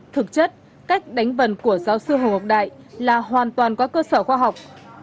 thực chất cách đánh vần của giáo sư hồng học đại là hoàn toàn có cơ sở khoa học